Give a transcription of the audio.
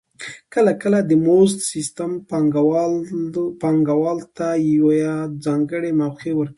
کله کله د مزد سیستم پانګوال ته یوه ځانګړې موقع ورکوي